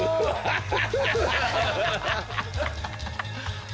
アハハハ。